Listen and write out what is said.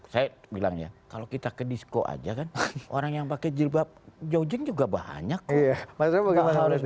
saya bilang ya kalau kita ke disco aja kan orang yang pakai jilbab jogging juga banyak kok